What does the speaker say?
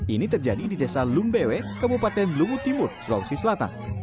ini terjadi di desa lumbewe kabupaten luwu timur sulawesi selatan